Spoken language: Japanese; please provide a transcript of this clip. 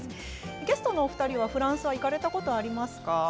ゲストのお二人はフランスは行かれたことはありますか。